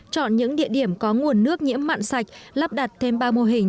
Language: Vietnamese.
chọn những địa điểm có nguồn nước nhiễm mặn sạch lắp đặt thêm ba mô hình